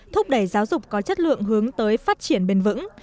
thúc đẩy giáo dục có chất lượng hướng tới phát triển bền vững